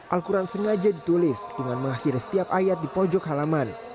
al quran sengaja ditulis dengan mengakhiri setiap ayat di pojok halaman